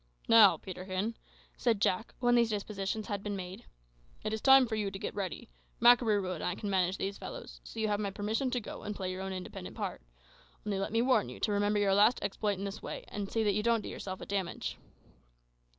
"Now, Peterkin," said Jack, when these dispositions had been made, "it is time for you to get ready. Makarooroo and I can manage these fellows, so you have my permission to go and play your own independent part. Only let me warn you to remember your last exploit in this way, and see that you don't do yourself a damage."